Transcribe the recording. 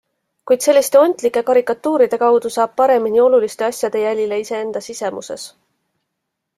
Kuid selliste ontlike karikatuuride kaudu saab paremini oluliste asjade jälile iseenda sisemuses.